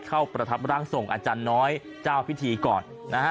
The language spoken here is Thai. ประทับร่างทรงอาจารย์น้อยเจ้าพิธีก่อนนะฮะ